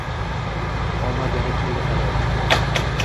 Omad yana keldi talay